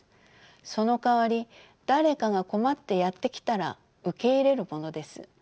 そのかわり誰かが困ってやって来たら受け入れるものです。